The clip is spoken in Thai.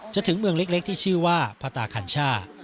ถึงเมืองเล็กที่ชื่อว่าพระตาคัญช่า